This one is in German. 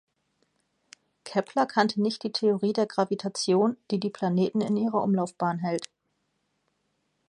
Kepler kannte nicht die Theorie der Gravitation, die die Planeten in ihrer Umlaufbahn hält.